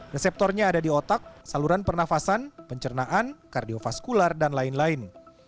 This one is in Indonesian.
reseptornya ada di otak saluran pernafasan pencernaan kardiofaskular dan lain lain